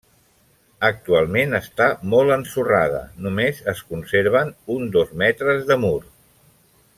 Actualment està molt ensorrada, només es conserven uns dos metres de mur.